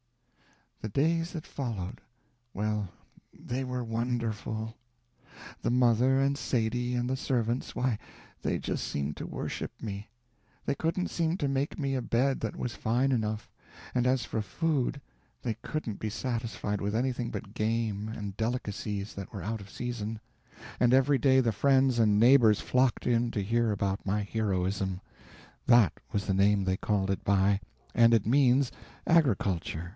The days that followed well, they were wonderful. The mother and Sadie and the servants why, they just seemed to worship me. They couldn't seem to make me a bed that was fine enough; and as for food, they couldn't be satisfied with anything but game and delicacies that were out of season; and every day the friends and neighbors flocked in to hear about my heroism that was the name they called it by, and it means agriculture.